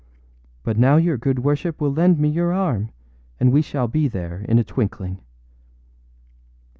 But now your good worship will lend me your arm, and we shall be there in a twinkling.